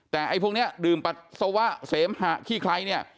แต่ไอ้พวกนี้ดื่มปัสสาวะเสมหะขี้ใครเนี่ย